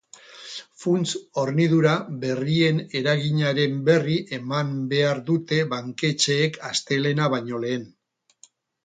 Funts-hornidura berrien eraginaren berri eman behar dute banketxeek astelehena baino lehen.